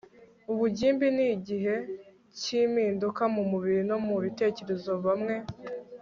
Ubugimbi ni igihe k impinduka mu mubiri no mu bitekerezo Bamwe